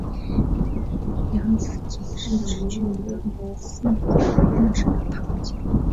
量子阱是指具有离散能量值的势阱。